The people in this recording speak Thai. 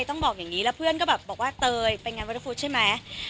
ต้องบอกอย่างนี้แล้วเพื่อนก็แบบบอกว่าเตยไปงานวันพุธใช่ไหม